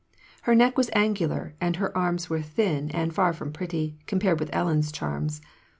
Her neck was angular, and her arms were thin and far from pretty, compared with Ellen's charms.